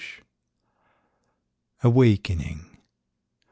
AWAKENING.